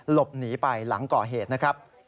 หลบหนีไปหลังก่อเหตุนะครับ